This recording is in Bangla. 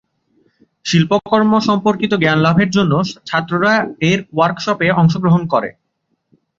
শিল্পকর্ম সম্পর্কিত জ্ঞান লাভের জন্য ছাত্ররা এর ওয়ার্কশপে অংশগ্রহণ করে।